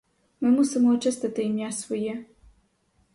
Ми мусимо очистити ім'я своє!